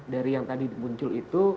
dari yang tadi muncul itu